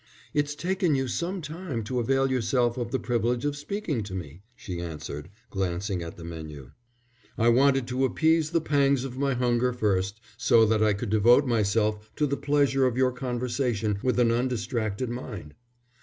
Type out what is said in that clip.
"It's taken you some time to avail yourself of the privilege of speaking to me," she answered, glancing at the menu. "I wanted to appease the pangs of my hunger first, so that I could devote myself to the pleasure of your conversation with an undistracted mind."